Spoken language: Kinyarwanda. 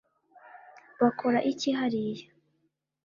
bakora iki hariya